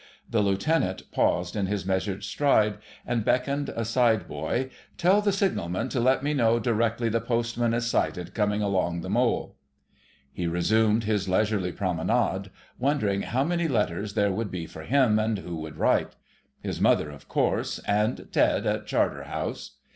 The Lieutenant paused in his measured stride and beckoned a side boy. "Tell the signalman to let me know directly the postman is sighted coming along the mole." He resumed his leisurely promenade, wondering how many letters there would be for him, and who would write. His mother, of course, ... and Ted at Charterhouse.